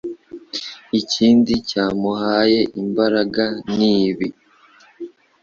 Ikindi cyamuhaye imbaraga nibi